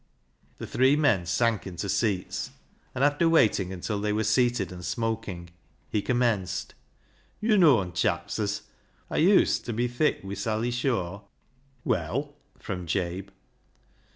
The three men sank into seats, and after waiting until they were seated and smoking, he commenced —" Yo' known, chaps, as Aw uset be thick wi' Sally Shaw ?"" Well ?" (from Jabe).